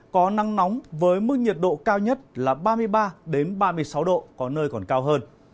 có nắng nóng với mức nhiệt độ cao nhất là ba mươi ba ba mươi sáu độ có nơi còn cao hơn